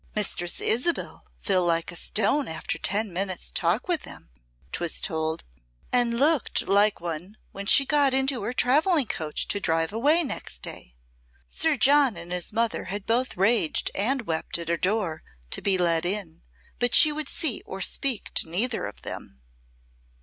"Mistress Isabel fell like a stone after ten minutes' talk with them," 'twas told, "and looked like one when she got into her travelling coach to drive away next day. Sir John and his mother had both raged and wept at her door to be let in, but she would see or speak to neither of them."